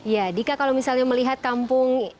ya dika kalau misalnya melihat kampung